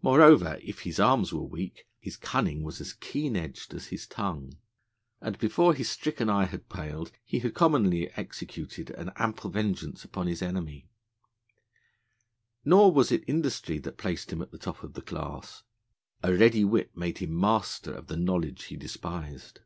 Moreover, if his arms were weak, his cunning was as keen edged as his tongue; and, before his stricken eye had paled, he had commonly executed an ample vengeance upon his enemy. Nor was it industry that placed him at the top of the class. A ready wit made him master of the knowledge he despised.